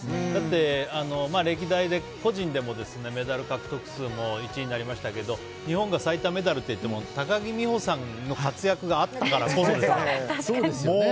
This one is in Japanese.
だって、歴代で個人でもメダル獲得数も１位になりましたけど日本が最多メダルといっても高木美帆さんの活躍があったからこそですよ。